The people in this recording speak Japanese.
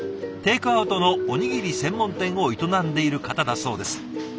テイクアウトのおにぎり専門店を営んでいる方だそうです。